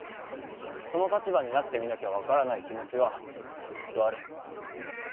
その立場になってみなきゃ分からない気持ちはきっとある。